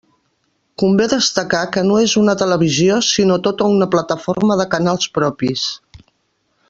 Convé destacar que no és una televisió sinó tota una plataforma de canals propis.